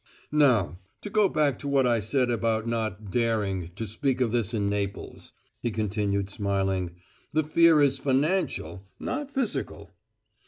"Now, to go back to what I said about not `daring' to speak of this in Naples," he continued, smiling. "The fear is financial, not physical."